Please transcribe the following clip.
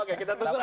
oke kita tunggu